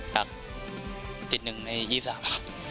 จากติดหนึ่งใน๒๓ครับ